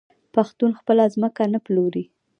پښتون خپله ځمکه نه پلوري.